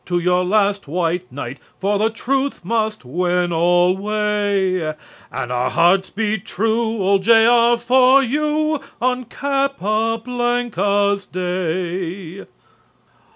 To your last white knight, For the truth must win alway, And our hearts beat true Old "J.R." for you On Capa blanca's Day."